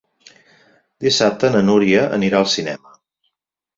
Dissabte na Núria anirà al cinema.